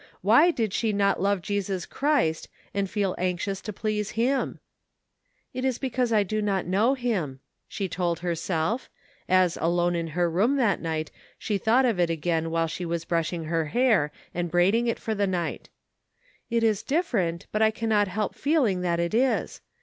Why did she not love Jesus Christ, and feel anxious to please him? ''It is because I do not know him," she told herself, as alone in her room that night she thought of it again while she wns brushing her hair and braiding it for the night; ''it is dif ferent, and I cannot help f«eeling that it is.